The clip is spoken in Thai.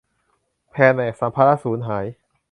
แผนกสัมภาระสูญหาย